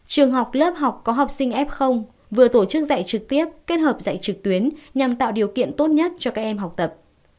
trường học lớp học có học sinh f vừa tổ chức dạy trực tiếp kết hợp dạy trực tuyến nhằm tạo điều kiện tốt nhất cho các em học tập